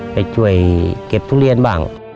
ไปช่วยเก็บทุเรียนบ้าง